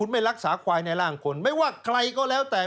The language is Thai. ไม่ว่าใครก็แล้วแต่